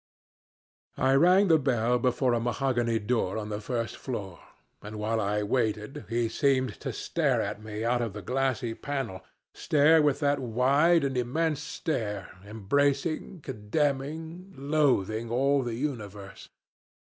I rang the bell before a mahogany door on the first floor, and while I waited he seemed to stare at me out of the glassy panel stare with that wide and immense stare embracing, condemning, loathing all the universe.